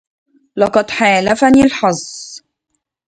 لقد حالفني الحظ.